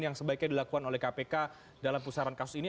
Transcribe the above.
yang sebaiknya dilakukan oleh kpk dalam pusaran kasus ini